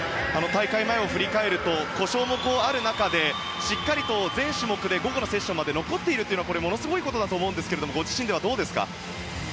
大会前を振り返ると故障もある中でしっかりと全種目で午後のセッションまで残っているというのはものすごいことだと思うんですがご自身では、どうですか？